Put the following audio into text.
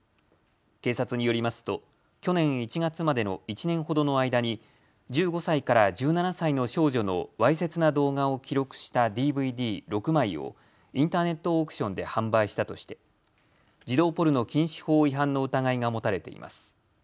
警察によりますと去年１月までの１年ほどの間に１５歳から１７歳の少女のわいせつな動画を記録したＤＶＤ６枚をインターネットオークションで販売したとして児童ポルノ禁止法違反の疑いが持たれています。